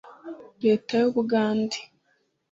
leta y u bugande